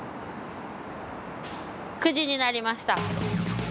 ９時になりました。